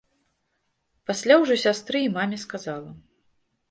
Пасля ўжо сястры і маме сказала.